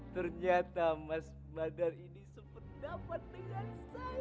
ternyata mas badar ini sempat dapat dengan saya